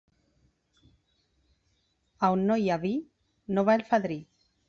A on no hi ha vi, no va el fadrí.